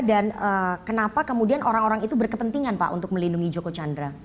dan kenapa kemudian orang orang itu berkepentingan pak untuk melindungi joko chandra